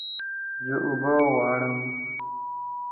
زه اوبه غواړم